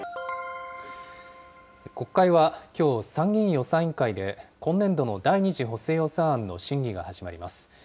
国会は、きょう、参議院予算委員会で今年度の第２次補正予算案の審議が始まります。